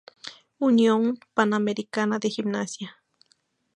Unión Panamericana de Gimnasia